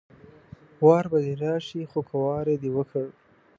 وار به دې راشي خو که وار دې وکړ